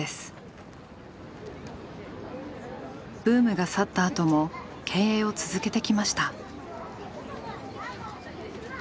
ブームが去った後も経営を続けてきました。